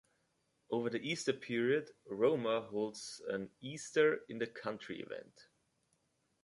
Over the Easter period, Roma holds an Easter in the Country event.